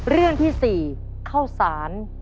เรื่องที่๔ข้าวสาร